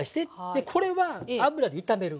でこれは油で炒める。